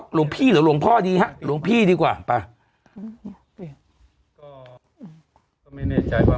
หลวงพี่หรือหลวงพ่อดีฮะหลวงพี่ดีกว่าไปก็ก็ไม่แน่ใจว่า